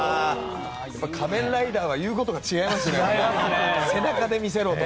仮面ライダーは言うことが違いますね。